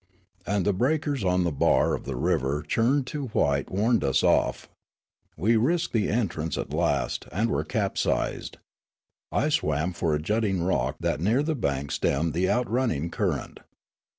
And the breakers on the bar of the river churned to white warned us off. We risked the entrance at last, and were capsized. I swam for a jutting rock that near the bank stemmed the outrunning current.